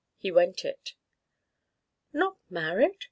He went it. "Not married?